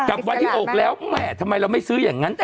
กับวันที่๖แล้วแม่ทำไมเราไม่ซื้ออย่างนั้น